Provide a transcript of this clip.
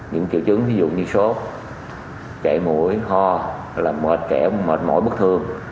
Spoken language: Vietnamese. những kiểu chứng ví dụ như sốt kẻ mũi ho là mệt kẻ mệt mỏi bất thường